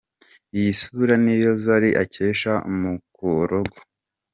Iyi sura ni yo Zari akesha mukorogo.